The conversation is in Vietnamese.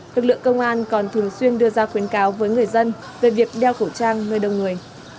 lực lượng công an còn thường xuyên đưa ra khuyến cáo với người dân về việc đeo khẩu trang nơi đông người